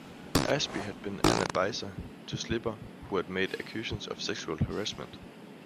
Ashby had been an adviser to Slipper who had made accusation of sexual harassment.